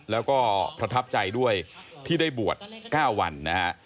แล้วก็ประทับใจด้วยที่ได้บวช๙วันนะฮะ